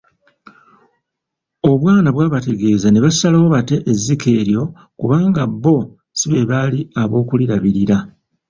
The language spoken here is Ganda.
Obwana bwabategeeza ne basalawo batte ezzike eryo kubanga bo si beebaali ab’okulirabirira.